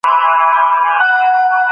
ګيله او مانې پرېږدو.